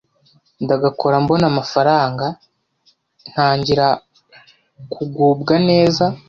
ndagakora mbona amafaranga ntangira kugubwa neza,